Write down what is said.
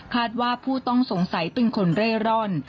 ว่าผู้ต้องสงสัยเป็นคนเร่ร่อน